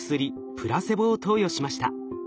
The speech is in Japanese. プラセボを投与しました。